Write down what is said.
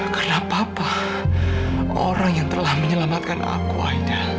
karena papa orang yang telah menyelamatkan aku aida